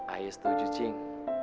ayah setuju cing